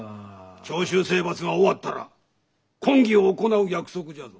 長州征伐が終わったら婚儀を行う約束じゃぞ。